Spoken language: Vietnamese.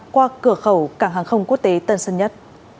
qua cửa khẩu cảng hàng không quốc tế tân sơn nhất